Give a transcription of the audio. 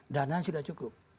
dana sudah cukup